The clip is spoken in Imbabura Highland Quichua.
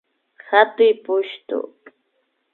Hatuy pushtu